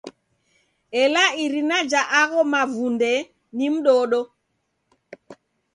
Ela irina ja gho mavunde ni mdodo.